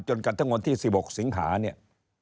จนกันทั้งหมดที่๑๖สิงหาเนี่ย